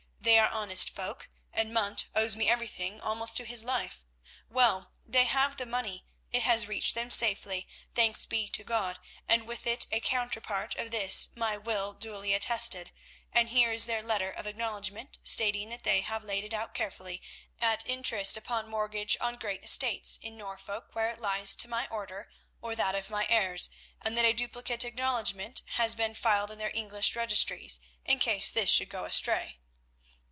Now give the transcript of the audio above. They are honest folk, and Munt owes me everything, almost to his life. Well, they have the money, it has reached them safely, thanks be to God, and with it a counterpart of this my will duly attested, and here is their letter of acknowledgment stating that they have laid it out carefully at interest upon mortgage on great estates in Norfolk where it lies to my order, or that of my heirs, and that a duplicate acknowledgment has been filed in their English registries in case this should go astray.